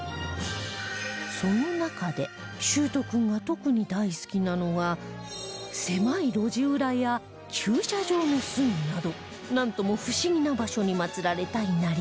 その中で秀斗君が特に大好きなのが狭い路地裏や駐車場の隅などなんとも不思議な場所に祀られた稲荷神社